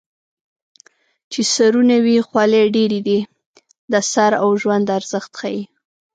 چې سرونه وي خولۍ ډېرې دي د سر او ژوند ارزښت ښيي